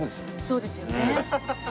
そうですよね。